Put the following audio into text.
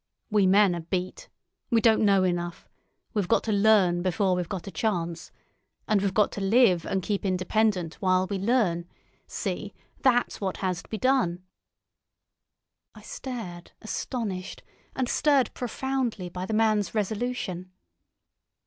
We men are beat. We don't know enough. We've got to learn before we've got a chance. And we've got to live and keep independent while we learn. See! That's what has to be done." I stared, astonished, and stirred profoundly by the man's resolution.